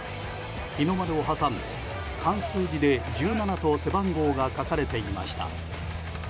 日の丸を挟んで漢数字で「十七」と背番号が書かれていました。